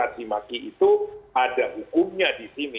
maki maki itu ada hukumnya di sini